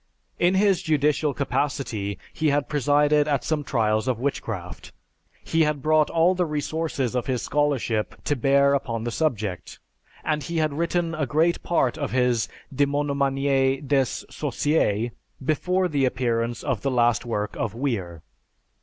In his judicial capacity he had presided at some trials of witchcraft. He had brought all the resources of his scholarship to bear upon the subject, and he had written a great part of his "Demonomanie des Sorciers" before the appearance of the last work of Wier.